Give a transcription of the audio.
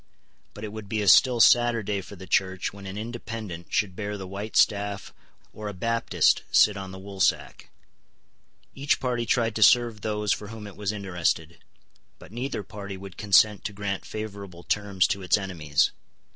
But it would be a still sadder day for the Church when an Independent should bear the white staff or a Baptist sit on the woolsack. Each party tried to serve those for whom it was interested: but neither party would consent to grant favourable terms to its enemies.